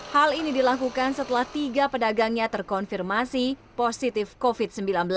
hal ini dilakukan setelah tiga pedagangnya terkonfirmasi positif covid sembilan belas